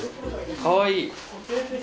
かわいい。